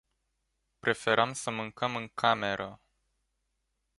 Preferam să mâncăm în cameră.